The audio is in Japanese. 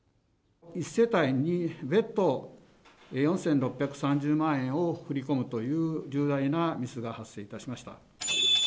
１世帯に別途４６３０万円を振り込むという重大なミスが発生いたしました。